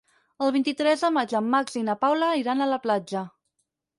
El vint-i-tres de maig en Max i na Paula iran a la platja.